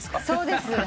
そうです。